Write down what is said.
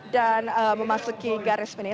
dan memasuki garis menit